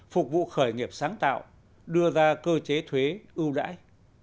phục vụ khởi nghiệp sáng tạo đưa ra cơ chế thuế ưu đãi